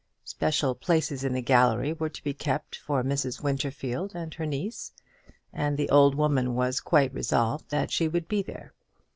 Special places in the gallery were to be kept for Mrs. Winterfield and her niece, and the old woman was quite resolved that she would be there.